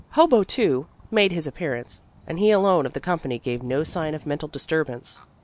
Hobo, too, made his appearance, and he alone of the company gave no sign of mental disturbance.